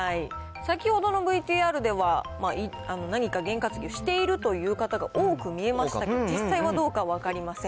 先ほどのＶＴＲでは、何かゲン担ぎをしているという方が多く見えましたけど、実際はどうか分かりません。